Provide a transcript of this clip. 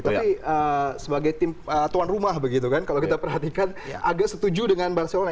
tapi sebagai tim tuan rumah begitu kan kalau kita perhatikan agak setuju dengan barcelona